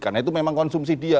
karena itu memang konsumsi dia